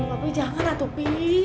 aduh papi jangan lah tuh pi